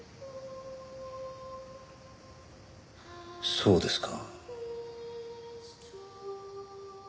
そうですか。